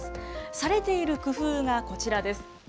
されている工夫がこちらです。